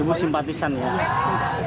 ibu simpatisan loh